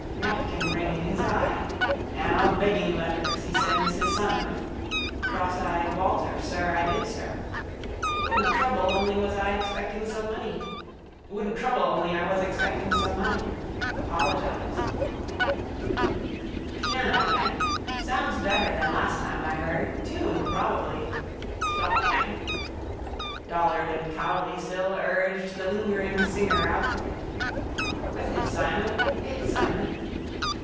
Napkinring in his eye. Now begging letters he sends his son with. Crosseyed Walter sir I did sir. Wouldn't trouble only I was expecting some money. Apologise. Piano again. Sounds better than last time I heard. Tuned probably. Stopped again. Dollard and Cowley still urged the lingering singer out with it. —With it, Simon. —It, Simon.